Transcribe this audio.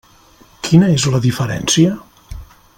Quina és la diferència?